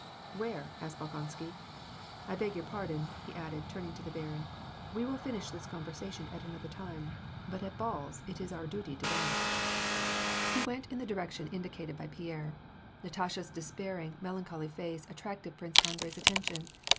" Where ?" asked Bolkonsky. " I beg your pardon," he added, turning to the baron. " We will finish this conversa tion at another time ; but at balls, it is our duty to dance." WAR AND PEACE. 207 He went in the direction indicated by Pierre. Natasha's de spairiug; melancholy face attracted Prince Andrei's attention.